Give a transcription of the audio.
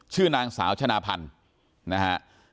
ชื่อนางสาวชนะพันธุ์นะฮะ